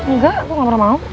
enggak aku gak pernah mau